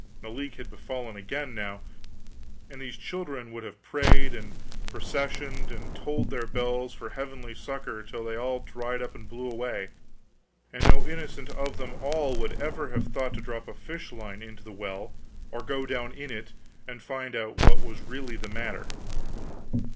The leak had befallen again now, and these children would have prayed, and processioned, and tolled their bells for heavenly succor till they all dried up and blew away, and no innocent of them all would ever have thought to drop a fish line into the well or go down in it and find out what was really the matter.